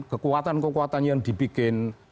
kekuatan kekuatan yang dibikin